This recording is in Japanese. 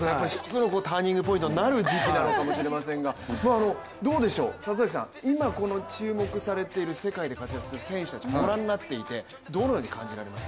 ターニングポイントになる時期なのかもしれませんがどうでしょう、今この注目されている世界で活躍する選手たちをご覧になっていてどのように感じます？